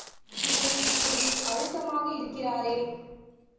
இவர் இப்படி அழுத்தமாக இருக்கிறாரே?....